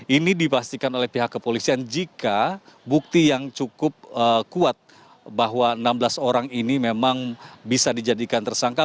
ini dipastikan oleh pihak kepolisian jika bukti yang cukup kuat bahwa enam belas orang ini memang bisa dijadikan tersangka